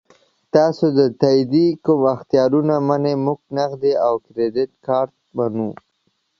تاسو د تادیې کوم اختیارونه منئ؟ موږ نغدي او کریډیټ کارت منو.